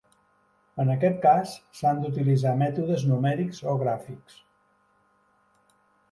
En aquest cas, s'han d'utilitzar mètodes numèrics o gràfics.